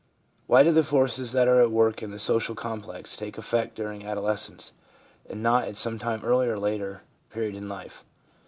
Why do the forces that are at work in the social complex take effect during adolescence, and not at some earlier or later period in life